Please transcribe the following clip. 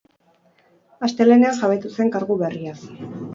Astelehean jabetu zen kargu berriaz.